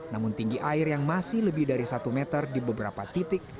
namun tinggi air yang masih lebih dari satu meter di beberapa titik